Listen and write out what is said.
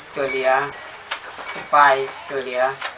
เจอเหลือทุกปลายเจอเหลือ